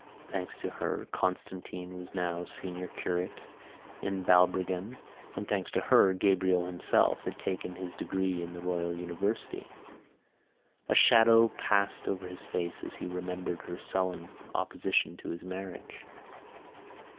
Thanks to her, Constantine was now senior curate in Balbrigan and, thanks to her, Gabriel himself had taken his degree in the Royal University. A shadow passed over his face as he remembered her sullen opposition to his marriage.